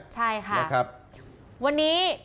ใช่ค่ะวันนี้